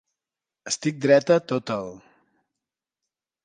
Estic dreta tot el